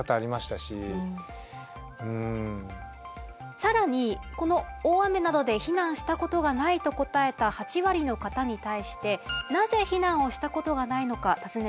更にこの大雨などで避難したことがないと答えた８割の方に対してなぜ避難をしたことがないのか尋ねてみました。